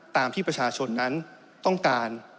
ตามที่ประชาชนนั้นต้องการ